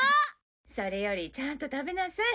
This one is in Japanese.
それよりちゃんと食べなさい。